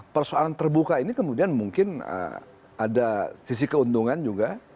persoalan terbuka ini kemudian mungkin ada sisi keuntungan juga